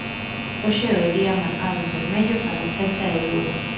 Hoxe é o día marcado en vermello para o Celta e o Lugo.